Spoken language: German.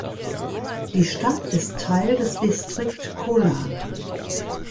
Die Stadt ist Teil des Distrikt Kolar.